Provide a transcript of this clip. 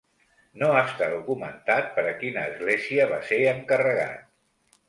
No està documentat per a quina església va ser encarregat.